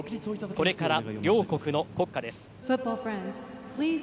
これから両国の国歌です。